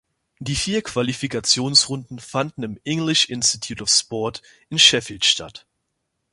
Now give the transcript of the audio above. Die vier Qualifikationsrunden fanden im "English Institute of Sport" in Sheffield statt.